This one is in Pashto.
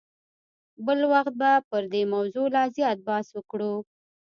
بل وخت به پر دې موضوع لا زیات بحث وکړو.